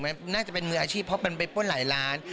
มันน่าจะเป็นมืออาชีพเพราะมันไปป้นหลายล้าน